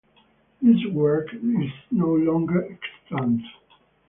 This work is no longer extant.